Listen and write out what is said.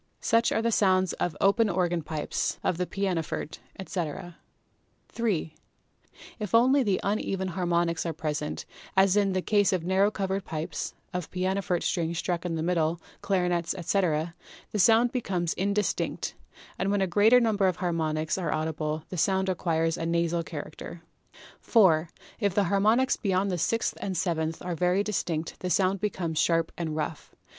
Such are the sounds of open organ pipes, of the pianoforte, etc. 128 PHYSICS 3. If only the uneven harmonics are present, as in the case of narrow covered pipes, of pianoforte strings struck in the middle, clarinets, etc., the sound becomes indis tinct; and when a greater number of harmonics are audible the sound acquires a nasal character. 4. If the harmonics beyond the sixth and seventh are very distinct the sound becomes sharp and rough.